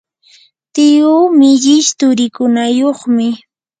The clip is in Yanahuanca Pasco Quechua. tiyuu millish tsurikunayuqmi.